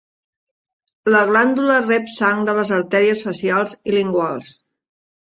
La glàndula rep sang de les artèries facials i linguals.